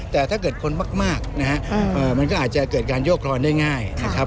แต่ถ้าเกิดคนมากนะฮะมันก็อาจจะเกิดการโยกครอนได้ง่ายนะครับ